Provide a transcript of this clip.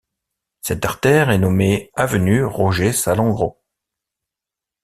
Cette artère est nommée avenue Roger Salengro.